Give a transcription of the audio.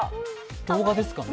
動画ですかね。